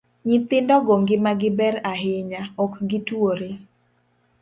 Nyithindogo ngimagi Ber ahinya, ok gi twore.